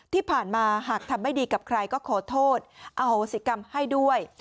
ที่ผ่านมาหากทำไม่ดีกับใครก็ขอโทษอโหสิกรรมให้ด้วย